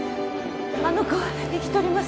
あの子は生きとります